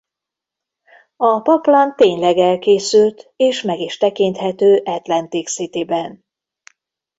A paplan tényleg elkészült és meg is tekinthető Atlantic City-ben.